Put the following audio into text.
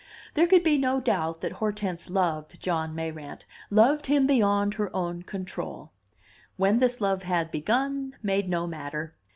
There could be no doubt that Hortense loved John Mayrant, loved him beyond her own control. When this love had begun, made no matter.